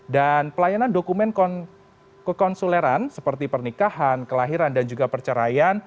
dan pelayanan dokumen kekonsuleran seperti pernikahan kelahiran dan juga perceraian